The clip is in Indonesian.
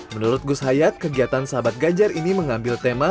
menurut gus hayat kegiatan sahabat ganjar ini mengambil tema